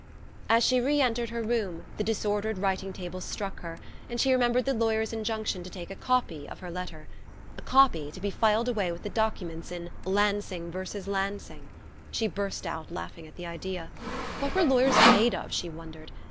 As she re entered her room, the disordered writing table struck her; and she remembered the lawyer's injunction to take a copy of her letter. A copy to be filed away with the documents in "Lansing versus Lansing!" She burst out laughing at the idea. What were lawyers made of, she wondered?